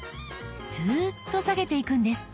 スーッと下げていくんです。